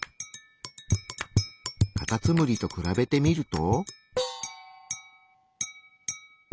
カタツムリと比べてみると。